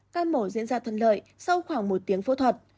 các mổ diễn ra thân lợi sau khoảng một tiếng phô thuật